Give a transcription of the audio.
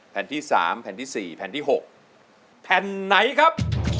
แผ่นที่๖ครับ